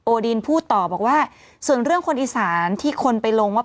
ดีนพูดต่อบอกว่าส่วนเรื่องคนอีสานที่คนไปลงว่า